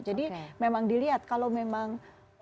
jadi memang dilihat kalau memang